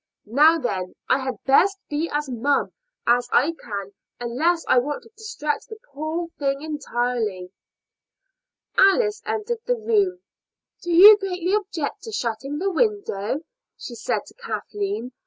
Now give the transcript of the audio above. Now then, I had best be as mum as I can unless I want to distract the poor thing entirely." Alice entered the room. "Do you greatly object to shutting the window?" she said to Kathleen.